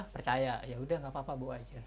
percaya yaudah gak apa apa bawa aja